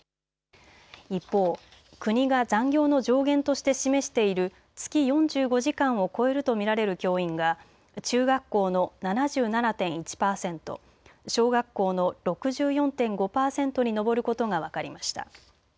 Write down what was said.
一方、国が残業の上限として示している月４５時間を超えると見られる教員が中学校の７７．１％、小学校の６４．５％に上ることが分かりました。